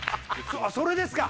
それですか？